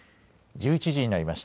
１１時になりました。